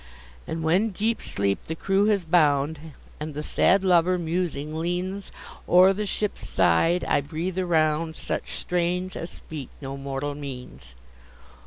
And when deep sleep the crew has bound, And the sad lover musing leans O'er the ship's side, I breathe around Such strains as speak no mortal means!